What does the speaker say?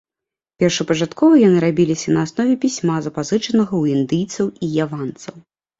Першапачаткова яны рабіліся на аснове пісьма, запазычанага ў індыйцаў і яванцаў.